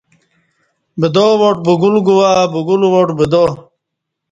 بدا وٹ بگول گوا بگول وٹ بدا